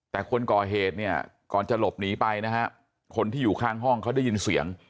แต่คนก่อเหตุเนี่ยก่อนจะหลบหนีไปนะฮะคนที่อยู่ข้างห้องเขาได้ยินเสียง